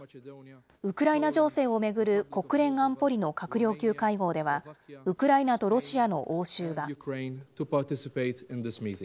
ウクライナ情勢を巡る国連安保理の閣僚級会合では、ウクライナとロシアの応酬が。